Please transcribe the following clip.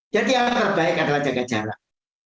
jadi yang terbaik adalah jaga jarak